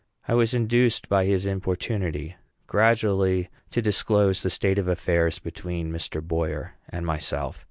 I was induced by his importunity gradually to disclose the state of affairs between Mr. Boyer and myself.